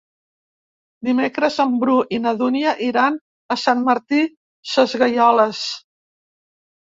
Dimecres en Bru i na Dúnia iran a Sant Martí Sesgueioles.